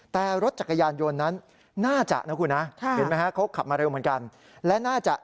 แต่รถจักรยานโยนนั้นน่าจะนะครับคุณฮะ